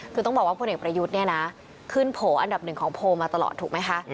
คือต้องบอกว่าพลเอกประยุทธ์เนี่ยนะขึ้นโผล่อันดับหนึ่งของโพลมาตลอดถูกไหมคะ